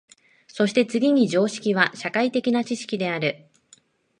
そして次に常識は社会的な知識である。